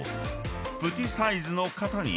［プティサイズの型に入れ